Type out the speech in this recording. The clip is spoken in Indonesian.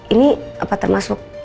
ini apa termasuk